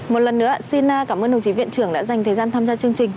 một lần nữa xin cảm ơn đồng chí viện trưởng đã dành thời gian tham gia chương trình